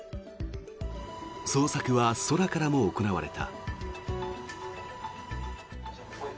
捜索は空からも行われた。